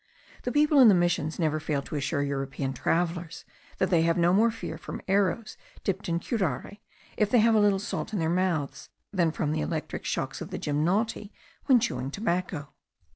The people in the missions never fail to assure European travellers, that they have no more to fear from arrows dipped in curare, if they have a little salt in their mouths, than from the electric shocks of the gymnoti, when chewing tobacco.